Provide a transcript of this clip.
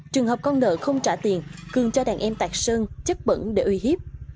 trường hợp con nợ không trả tiền cường cho đàn em tạc sơn chất bẩn để uy hiếp